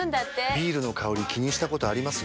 ビールの香り気にしたことあります？